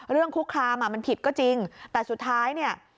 เรื่องคุกคลามมันผิดก็จริงแต่สุดท้าย